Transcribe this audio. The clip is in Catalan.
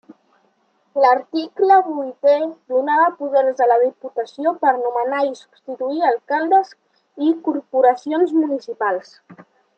L'article vuitè donava poders a la Diputació per nomenar i substituir alcaldes i corporacions municipals.